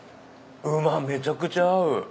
めちゃくちゃ合う。